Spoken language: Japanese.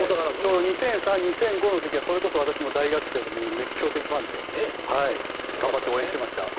２００３、２００５の時はそれこそ私も大学生で熱狂的ファンで頑張って応援してました。